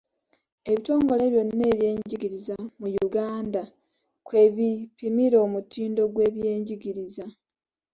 Ebitongole byonna eby'ebyenjigiriza mu Uganda kwe bipimira omutindo gw'ebyenjigiriza.